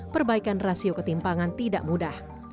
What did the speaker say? perbaikan rasio ketimpangan tidak mudah